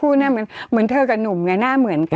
อืมเนื้อคู่เหมือนเธอกับหนุ่มไงหน้าเหมือนกัน